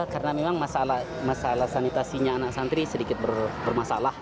karena memang masalah masalah sanitasinya anak santri sedikit bermasalah